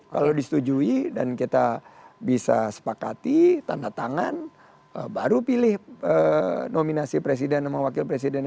kalau disetujui dan kita bisa sepakati tanda tangan baru pilih nominasi presiden sama wakil presidennya